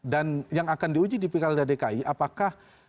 dan yang akan diuji di pekada dki apakah